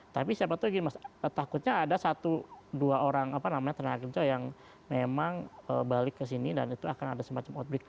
tapi siapa tahu mas takutnya ada satu dua orang apa namanya tenaga kerja yang memang balik kesini dan itu akan ada semacam outbreak